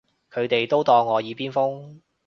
佢哋都當我耳邊風